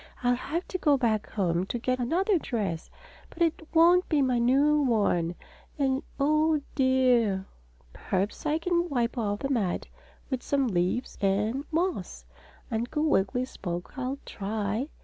"I'll have to go back home to get another dress, and it won't be my new one and oh, dear!" "Perhaps I can wipe off the mud with some leaves and moss," Uncle Wiggily spoke. "I'll try."